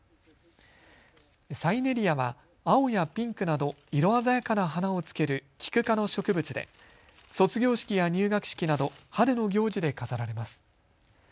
サイネリアは青やピンクなど色鮮やかな花をつけるキク科の植物で卒業式や入学式など春の行事で飾られます。